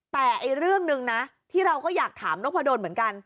แต่อีกเรื่องหนึ่งนะที่เราก็อยากถามนกพะดนเหมือนกัน